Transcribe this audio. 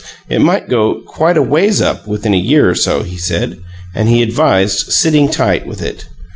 It might go "quite a ways up" within a year or so, he said, and he advised "sitting tight" with it.